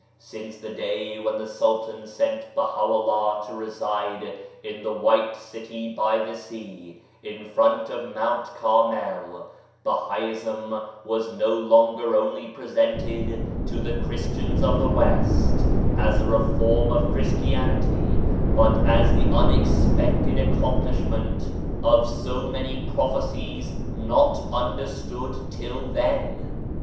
Since the day when the Sultan sent BahaVllah to reside in "The White City by the Sea," in front of Mount Carmel, Bahaism was no longer only presented to the Christians of the West as a reform of Christianity, but as the unexpected accom plishment of so many prophecies not 'ABDU'L BAHA 97 understood till then.